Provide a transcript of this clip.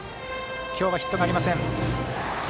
今日はヒットがありません。